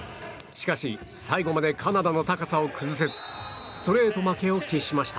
しかし、最後までカナダの高さを崩せずストレート負けを喫しました。